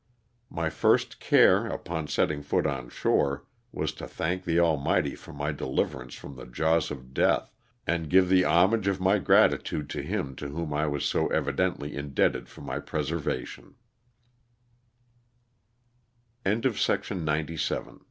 My first care, upon setting foot on shore, was to thank the Almighty for my deliverance from the jaws of death, and give the homage of my gratitude to Him to whom I was so evidently indebted for m